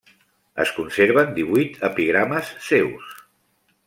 Es conserven divuit epigrames seus.